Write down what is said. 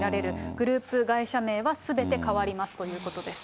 グループ会社名は、すべて変わりますということです。